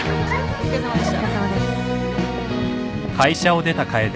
お疲れさまです。